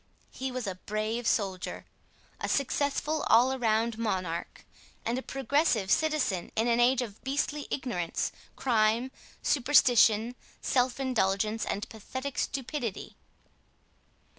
He was a brave soldier, a successful all around monarch, and a progressive citizen in an age of beastly ignorance, crime, superstition, self indulgence, and pathetic stupidity.